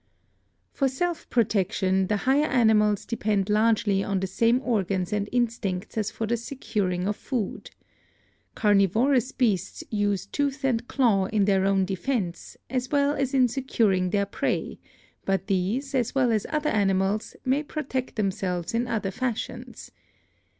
"For self protection the higher animals depend largely on the same organs and instincts as for the securing of food. Carnivorous beasts use tooth and claw in their own defense, as well as in securing their prey, but these, as well as other animals, may protect themselves in other fashions.